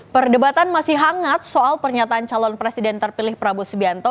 perdebatan masih hangat soal pernyataan calon presiden terpilih prabowo subianto